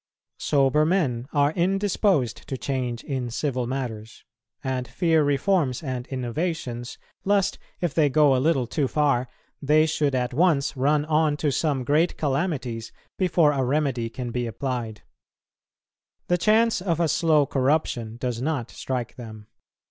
Sober men are indisposed to change in civil matters, and fear reforms and innovations, lest, if they go a little too far, they should at once run on to some great calamities before a remedy can be applied. The chance of a slow corruption does not strike them.